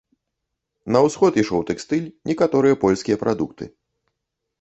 На ўсход ішоў тэкстыль, некаторыя польскія прадукты.